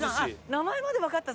名前までわかった？